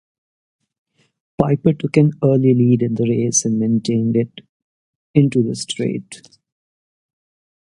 Piper took an early lead in the race and maintained it into the straight.